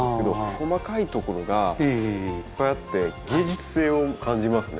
細かいところがいっぱいあって芸術性を感じますね。